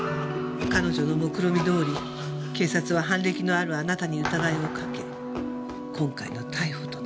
彼女のもくろみどおり警察は犯歴のあるあなたに疑いをかけ今回の逮捕となった。